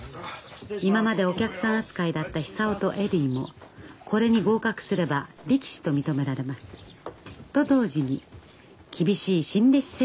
今までお客さん扱いだった久男とエディもこれに合格すれば力士と認められます。と同時に厳しい新弟子生活が始まるのです。